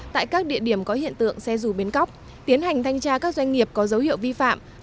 tại các địa điểm có hiện tượng xe dù bến cóc tiến hành thanh tra các doanh nghiệp có dấu hiệu vi phạm